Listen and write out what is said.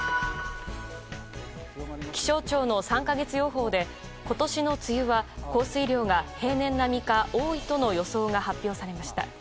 気象庁の３か月予報で今年の梅雨は降水量が平年並みか多いとの予想が発表されました。